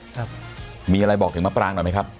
ครับมีอะไรบอกถึงมะปรางหน่อยไหมครับ